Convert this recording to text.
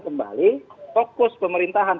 kembali fokus pemerintahan